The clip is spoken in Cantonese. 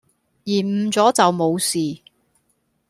延誤左就無事